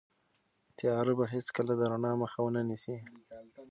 تیاره به هیڅکله د رڼا مخه ونه نیسي.